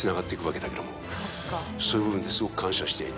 そういう部分ですごく感謝していて。